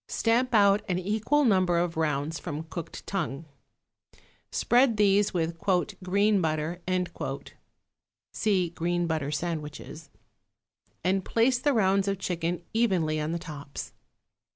Stamp out an equal number of rounds from cooked tongue. Spread these with "green butter" (see Green Butter Sandwiches) and place the rounds of chicken evenly on the tops.